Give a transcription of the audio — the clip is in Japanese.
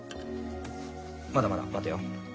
まだまだ待てよ。